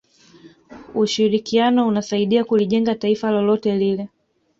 ushirikiano unasaidia kulijenga taifa lolote lile